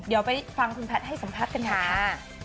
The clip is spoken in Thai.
เดี๋ยวไปฟังคุณแพทย์ให้สัมภาษณ์กันหน่อยค่ะ